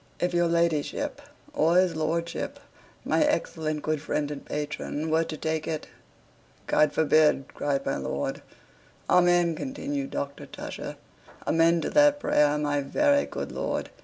If your ladyship or his lordship, my excellent good friend and patron, were to take it ..." "God forbid!" cried my lord. "Amen," continued Dr. Tusher. "Amen to that prayer, my very good lord!